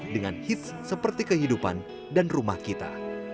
dengan hits seperti kehidupan dan rumah kita